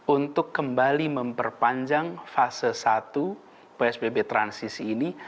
untuk kembali memperpanjang fase satu psbb transisi ini